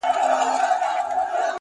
د گلو كر نه دى چي څوك يې پــټ كړي.!